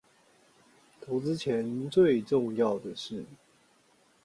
投資前最重要的事